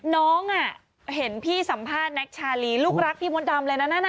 น้องเห็นพี่สัมภาษณ์แน็กชาลีลูกรักพี่มดดำเลยนะนั่น